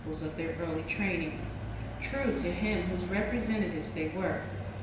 Lives of Great Men 57 their early training, true to Him whose representatives they were.